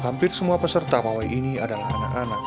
hampir semua peserta pawai ini adalah anak anak